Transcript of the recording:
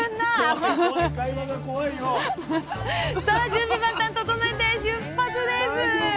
準備万端整えて出発です！